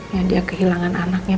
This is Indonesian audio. ya dia kehilangan anaknya